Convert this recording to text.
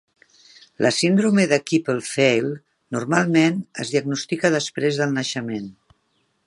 La síndrome de Klippel-Feil normalment es diagnostica després del naixement.